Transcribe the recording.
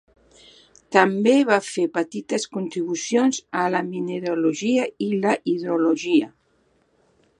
També va fer petites contribucions a la mineralogia i la hidrologia.